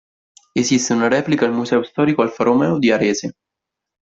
Esiste una replica al Museo storico Alfa Romeo di Arese.